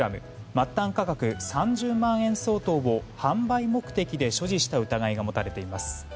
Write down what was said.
末端価格３０万円相当を販売目的で所持した疑いが持たれています。